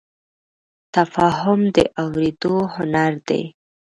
تفاهم د اورېدو هنر دی.